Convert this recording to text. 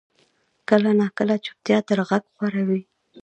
کله ناکله چپتیا تر غږ غوره وي.